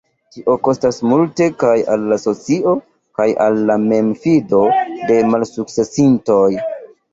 Tio kostas multe kaj al la socio kaj al la memfido de malsukcesintoj.